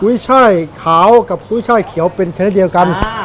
กุ้ยไช่ขาวกับกุ้ยไช่เขียวเป็นชนิดเดียวกันอ่า